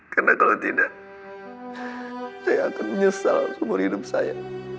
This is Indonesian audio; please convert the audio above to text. karena kalau tidak saya akan menyesal seluruh hidup saya